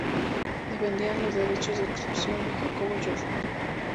Defendían los derechos de exclusión de Jacobo de York.